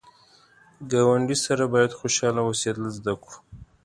ګاونډي سره باید خوشحال اوسېدل زده کړو